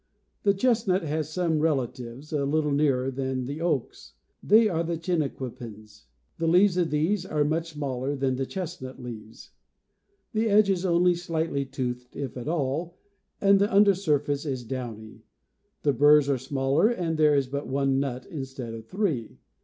The chestnut has some rela tives, a little nearer than the They are the chinquapins, e leaves of these are much smaller than the chestnut leaves. 71 The edge is only slightly toothed if at all, and the under surface is downy. The burs are smaller and there is but one nut instead of three.